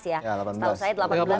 setahu saya delapan belas